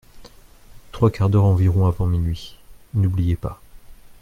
Trois quarts d'heure environ avant minuit ; n'oubliez pas.